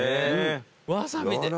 わさびで。